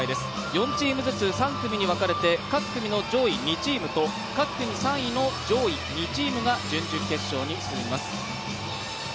４チームずつ３組に分かれて各組の上位２チームと各組３位の上位２チームが準々決勝に進みます。